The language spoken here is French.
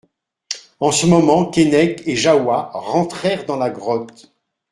En ce moment Keinec et Jahoua rentrèrent dans la grotte.